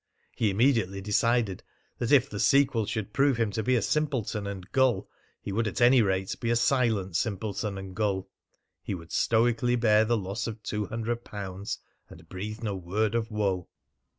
He immediately decided that if the sequel should prove him to be a simpleton and gull he would at any rate be a silent simpleton and gull. He would stoically bear the loss of two hundred pounds, and breathe no word of woe.